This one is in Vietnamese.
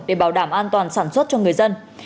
để bảo đảm an toàn sản xuất cho người dân